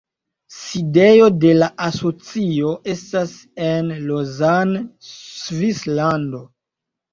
Sidejo de la asocio estas en Lausanne, Svislando.